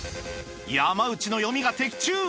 山内の読みが的中！